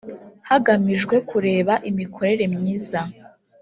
hagamijwe kureba imikorere myiza